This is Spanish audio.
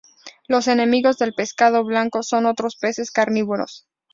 Los enemigos del pescado blanco son otros peces carnívoros.